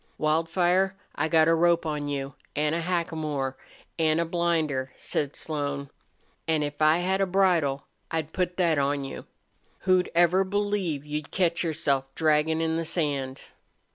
"Wildfire, I got a rope on you an' a hackamore an' a blinder," said Slone. "An' if I had a bridle I'd put that on you. Who'd ever believe you'd catch yourself, draggin' in the sand?"